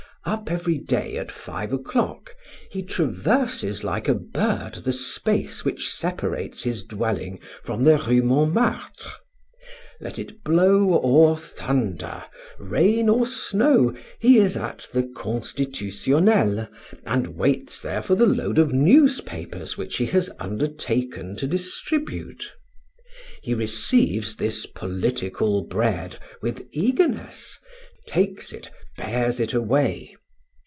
Up every day at five o'clock, he traverses like a bird the space which separates his dwelling from the Rue Montmartre. Let it blow or thunder, rain or snow, he is at the Constitutionnel, and waits there for the load of newspapers which he has undertaken to distribute. He receives this political bread with eagerness, takes it, bears it away.